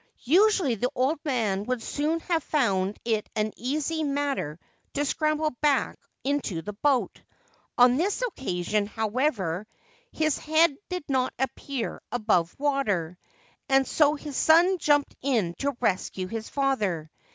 Usually the old man would soon have found it an easy matter to scramble back into the boat. On this occasion, however, his head did not appear above water ; and so his son jumped in to rescue his father.